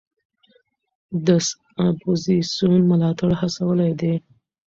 ده د اپوزېسیون ملاتړ هڅولی دی.